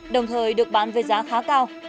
đồng thời được bán với giá khá cao